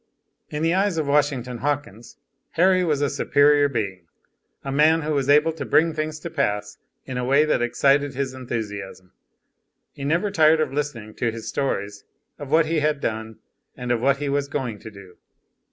In the eyes of Washington Hawkins, Harry was a superior being, a man who was able to bring things to pass in a way that excited his enthusiasm. He never tired of listening to his stories of what he had done and of what he was going to do.